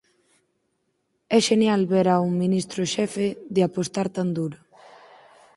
É xenial ver a un ministro xefe de apostar tan duro.